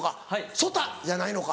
「ソタ」じゃないのか。